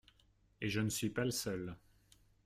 Et je ne suis pas le seul.